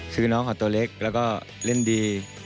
คือน้องเขาตัวเล็กแล้วก็เล่นดี